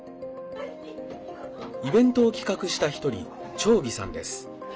イベントを企画した１人趙薇さんです。